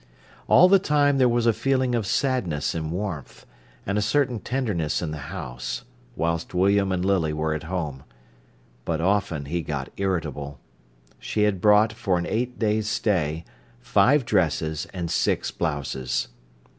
All the time there was a feeling of sadness and warmth, and a certain tenderness in the house, whilst William and Lily were at home. But often he got irritable. She had brought, for an eight days' stay, five dresses and six blouses.